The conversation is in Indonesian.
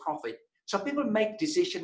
jadi orang membuat keputusan